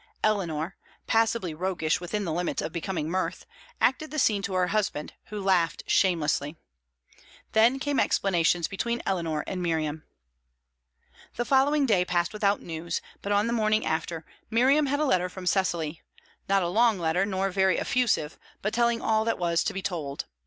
Eleanor passably roguish within the limits of becoming mirth acted the scene to her husband, who laughed shamelessly. Then came explanations between Eleanor and Miriam. The following day passed without news, but on the morning after, Miriam had a letter from Cecily; not a long letter, nor very effusive, but telling all that was to be told.